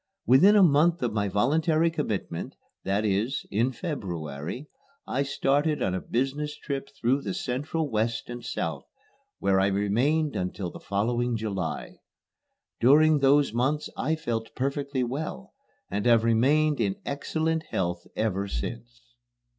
Within a month of my voluntary commitment, that is, in February, I started on a business trip through the Central West and South, where I remained until the following July. During those months I felt perfectly well, and have remained in excellent health ever since.